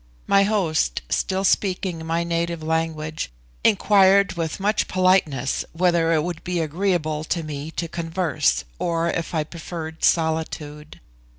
My host, still speaking my native language, inquired with much politeness, whether it would be agreeable to me to converse, or if I preferred solitude.